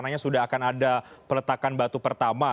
ini rencana sudah akan ada peletakan batu pertama